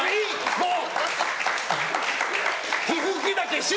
もう！